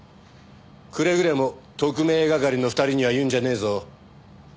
くれぐれも特命係の２人には言うんじゃねえぞ。